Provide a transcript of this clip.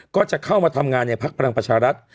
ก็จะเข้ามาทำงานในพักพลังประชารัฐ